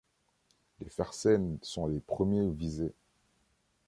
Les Fersen sont les premiers visés.